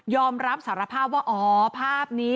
อมรับสารภาพว่าอ๋อภาพนี้